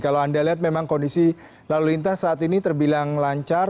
kalau anda lihat memang kondisi lalu lintas saat ini terbilang lancar